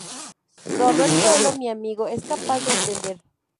Sólo el pueblo, mi amigo, es capaz de entender.